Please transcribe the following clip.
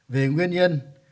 về nguyên nhân